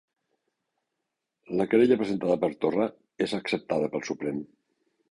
La querella presentada per Torra és acceptada pel Suprem